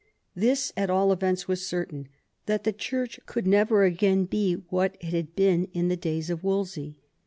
This, at all events, was certain, that the Church could never again be what it had been in the days of Wolsey.